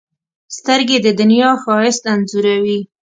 سترګې د دنیا ښایست انځوروي